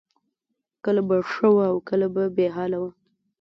کله به ښه وه او کله به بې حاله وه